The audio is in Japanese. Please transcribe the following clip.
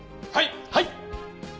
はい！